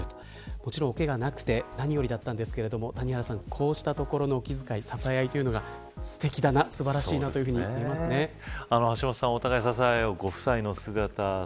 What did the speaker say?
もちろん、おけががなくて何よりだったんですがこうしたところのお気遣い、支え合いが橋本さん、お互いに支え合うご夫妻の姿。